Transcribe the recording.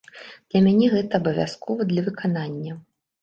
Для мяне гэта абавязкова для выканання.